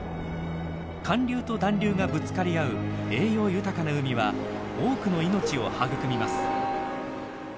寒流と暖流がぶつかり合う栄養豊かな海は多くの命を育みます。